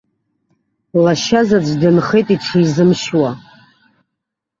Лашьазаҵә дынхеит иҽизымшьуа.